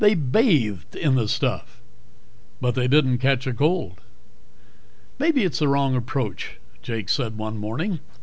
They bathed in the stuff. But they didn't catch a cold. "Maybe it's the wrong approach," Jake said one morning.